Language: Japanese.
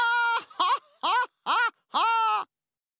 ハッハッハッハッ！